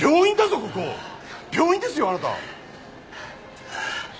病院ですよあなた！